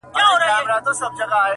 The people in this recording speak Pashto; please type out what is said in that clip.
پینځه ډالره هم ورکړي